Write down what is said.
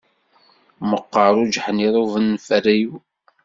Meqqeṛ ujeḥniḍ ubenferriw.